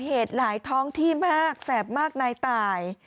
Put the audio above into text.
เหตุหลายท้องที่มากแสบมากนายตาย